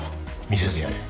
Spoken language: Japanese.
見せてやれ。